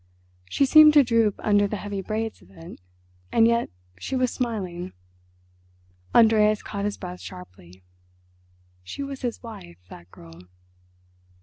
She seemed to droop under the heavy braids of it, and yet she was smiling. Andreas caught his breath sharply. She was his wife—that girl.